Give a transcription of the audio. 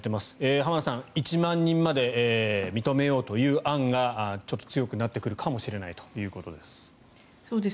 浜田さん、１万人まで認めようという案がちょっと強くなってくるかもしれないということです。